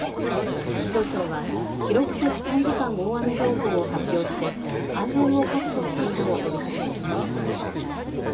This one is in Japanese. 気象庁は記録的短時間大雨情報を発表して安全を確保するよう呼びかけています。